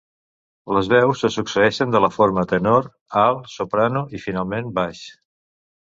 Les veus se succeeixen de la forma tenor, alt, soprano, i finalment, baix.